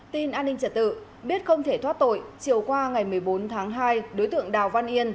tin an ninh trật tự biết không thể thoát tội chiều qua ngày một mươi bốn tháng hai đối tượng đào văn yên